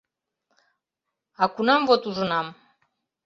А кунам вот ужынам?